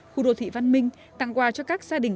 khu đô thị văn minh tặng quà cho các gia đình